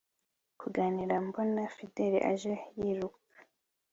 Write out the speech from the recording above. kuganira mbona fidele aje yiruka